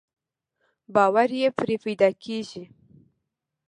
باور يې پرې پيدا کېږي.